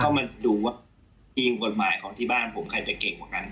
แล้วก็มาดูความจริงของที่บ้านใครจะเก่งกว่ากัน